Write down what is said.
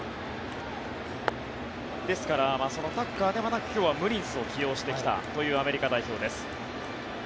ですからそのタッカーではなく今日はムリンスを起用してきたというアメリカ代表です。